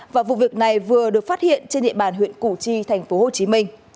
và vụ việc này vừa được phát hiện trên địa bàn huyện củ chi tp hcm